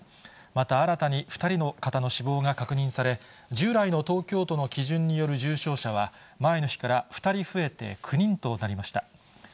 また、新たに２人の方の死亡が確認され、従来の東京都の基準による重症者は、前の日から２人増えて９人となりました。